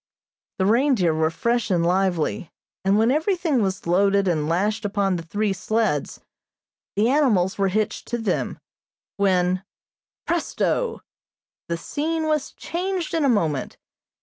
The reindeer were fresh and lively, and when everything was loaded and lashed upon the three sleds, the animals were hitched to them, when, presto! the scene was changed in a moment.